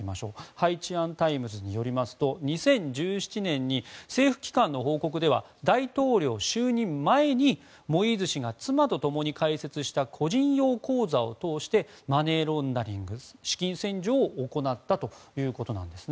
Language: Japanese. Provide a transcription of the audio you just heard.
ハイチアン・タイムズによりますと２０１９年に政府機関の報告では大統領就任前にモイーズ氏が妻と共に開設した個人用口座を通してマネーロンダリング、資金洗浄を行ったということです。